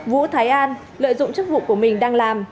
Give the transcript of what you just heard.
vũ thái an lợi dụng chức vụ của mình đang làm